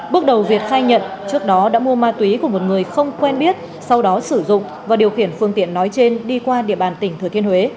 bước đầu việt khai nhận trước đó đã mua ma túy của một người không quen biết sau đó sử dụng và điều khiển phương tiện nói trên đi qua địa bàn tỉnh thừa thiên huế